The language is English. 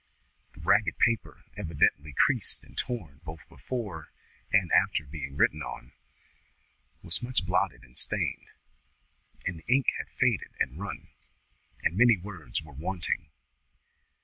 The ragged paper, evidently creased and torn both before and after being written on, was much blotted and stained, and the ink had faded and run, and many words were wanting.